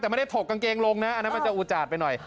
แต่ไม่ได้ถกกางเกงลงนะอันนั้นมันจะอุจาดไปหน่อย